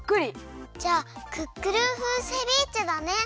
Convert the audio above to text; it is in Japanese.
じゃあクックルン風セビーチェだね。